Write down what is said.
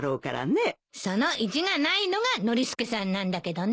その意地がないのがノリスケさんなんだけどね。